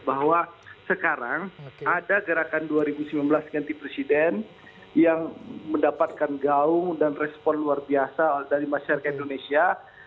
bahwa sekarang ada gerakan dua ribu sembilan belas ganti presiden yang mendapatkan gaung dan respon luar biasa dari masyarakat indonesia